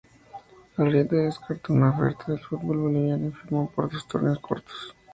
Arrieta descartó una oferta del fútbol boliviano y firmó por dos torneos cortos.